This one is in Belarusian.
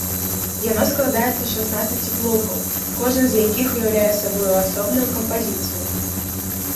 Яно складаецца з шаснаццаці блокаў, кожны з якіх уяўляе сабою асобную кампазіцыю.